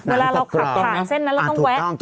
เวลาเราขับผ่านเส้นนั้นเราต้องแวะ